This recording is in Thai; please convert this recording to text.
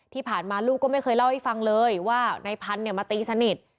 ที่ผ่านมาลูกก็ไม่เคยเล่าให้ฟังเลยว่านายพันธุ์มาตีสนิท